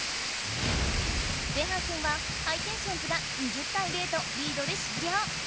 前半戦はハイテンションズが２０対０とリードでしゅうりょう。